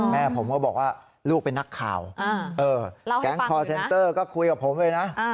แม่ผมก็บอกว่าลูกเป็นนักข่าวแก๊งคอร์เซ็นเตอร์ก็คุยกับผมเลยนะ